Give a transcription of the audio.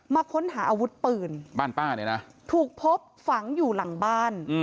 มาค้นหาอาวุธปืนถูกพบฝังอยู่หลังบ้าน